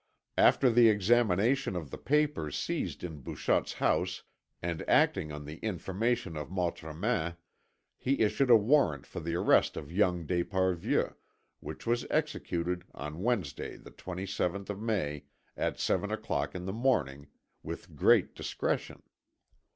After the examination of the papers seized in Bouchotte's house, and acting on the information of Montremain, he issued a warrant for the arrest of young d'Esparvieu, which was executed on Wednesday, the 27th May, at seven o'clock in the morning, with great discretion.